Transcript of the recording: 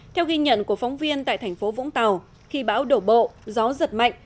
theo ghi nhận của phóng viên tại thành phố vũng tàu khi bão đổ bộ gió giật mạnh